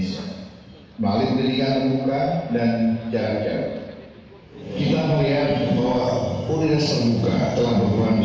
sejak berdiri pada tanggal empat september seribu sembilan ratus delapan puluh empat sampai usia hari ini